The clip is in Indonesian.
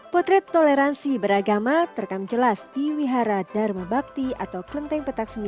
potret toleransi beragama terkam jelas di uyara dharma bakti atau kelenteng petak sembilan